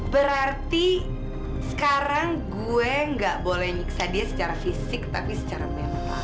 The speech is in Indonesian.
berarti sekarang gue gak boleh nyiksa dia secara fisik tapi secara mental